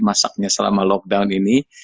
masaknya selama lockdown ini